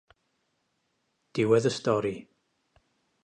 Diwedd y stori.